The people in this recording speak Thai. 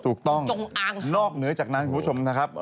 ถูกต้องนอกเหนือจากนั้นคุณผู้ชมนะครับ